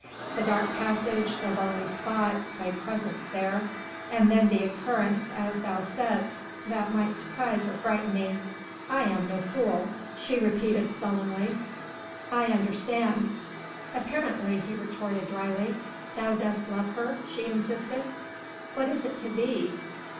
The dark passage, the lonely spot, thy presence there ... and then the occurrence, as thou saidst, that might surprise or frighten me.... I am no fool," she repeated sullenly, "I understand." "Apparently," he retorted dryly. "Thou dost love her?" she insisted. "What is it to thee?"